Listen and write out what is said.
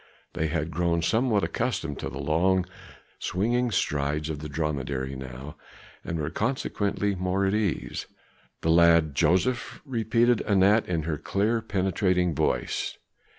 They had grown somewhat accustomed to the long, swinging strides of the dromedary now, and were consequently more at their ease. "The lad Joseph?" repeated Anat, in her clear, penetrating voice.